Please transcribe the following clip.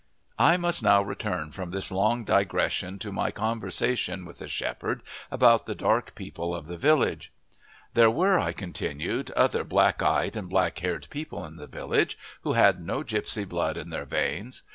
I must now return from this long digression to my conversation with the shepherd about the dark people of the village. There were, I continued, other black eyed and black haired people in the villages who had no gipsy blood in their veins.